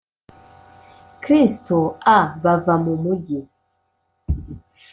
Kristo a Bava mu mugi